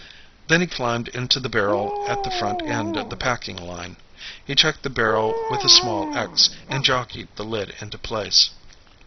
Then he climbed into the barrel at the front end of the packing line. He checked the barrel with a small X, and jockeyed the lid into place.